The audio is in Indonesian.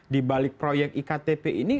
di balik proyek iktp ini